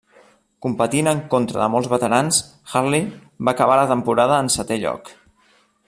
Competint en contra de molts veterans, Hartley va acabar la temporada en el setè lloc.